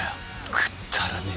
くっだらねえ